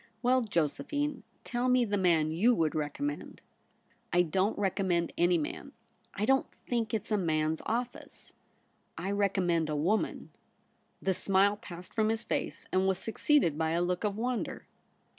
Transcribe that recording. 'Well, Josephine, tell me the man you would recommend.' ' I don't recommend any man. I don't think it's a man's office. I recommend a woman.' The smile passed from his face, and was succeeded by a look of wonder.